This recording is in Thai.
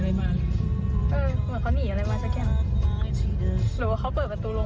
เหมือนเขาหนีอะไรมาสักแก้วหรือว่าเขาเปิดประตูลง